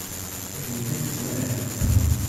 Taninna tettmahal.